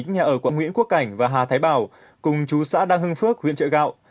nhà ở quận nguyễn quốc cảnh và hà thái bảo cùng chú xã đăng hưng phước huyện trợ gạo